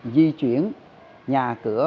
di chuyển nhà cửa